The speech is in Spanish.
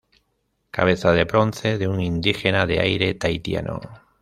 Cabeza de bronce de un indígena de aire tahitiano.